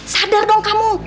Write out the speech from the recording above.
sadar dong kamu